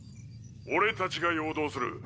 俺たちが陽動する。